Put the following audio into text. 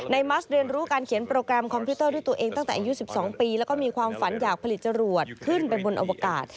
มัสเรียนรู้การเขียนโปรแกรมคอมพิวเตอร์ด้วยตัวเองตั้งแต่อายุ๑๒ปีแล้วก็มีความฝันอยากผลิตจรวดขึ้นไปบนอวกาศ